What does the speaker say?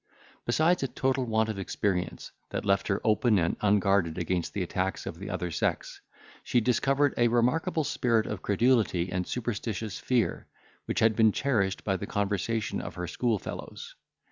Besides a total want of experience, that left her open and unguarded against the attacks of the other sex, she discovered a remarkable spirit of credulity and superstitious fear, which had been cherished by the conversation of her school fellows.